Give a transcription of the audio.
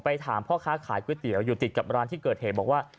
ถามพ่อค้าขายก๋วยเตี๋ยวอยู่ติดกับร้านที่เกิดเหตุบอกว่า